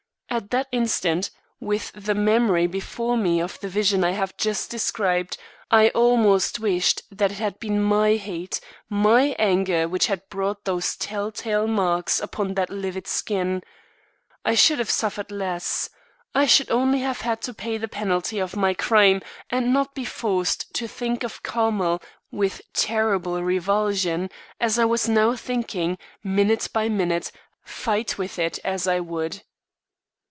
At that instant, with the memory before me of the vision I have just described, I almost wished that it had been my hate, my anger which had brought those tell tale marks out upon that livid skin. I should have suffered less. I should only have had to pay the penalty of my crime and not be forced to think of Carmel with terrible revulsion, as I was now thinking, minute by minute, fight with it as I would.